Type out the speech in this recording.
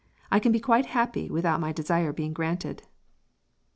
I can be quite happy without my desire being granted."